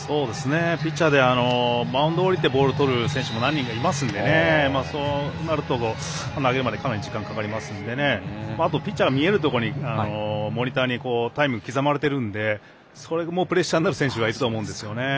ピッチャーマウンドを降りてボールをとる選手も何人かいますのでそうなると、投げるまでかなり時間がかかりますのであと、ピッチャーが見えるところモニターにタイムが刻まれてるのでそれもプレッシャーになる選手がいると思うんですよね。